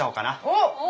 おっ！